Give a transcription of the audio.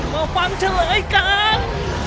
มาฟังเฉลยกัน